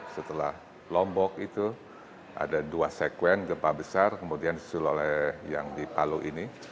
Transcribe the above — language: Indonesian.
setelah lombok itu ada dua sekuen gempa besar kemudian disusul oleh yang di palu ini